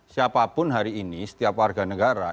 siapapun hari ini setiap warga negara